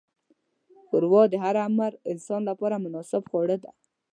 ښوروا د هر عمر انسان لپاره مناسب خواړه ده.